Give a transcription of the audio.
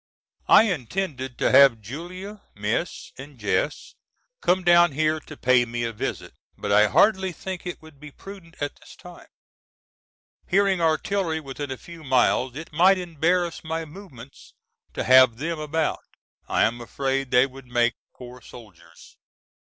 I intended to have Julia, Miss and Jess come down here to pay me a visit but I hardly think it would be prudent at this time. Hearing artillery within a few miles it might embarrass my movements to have them about. I am afraid they would make poor soldiers.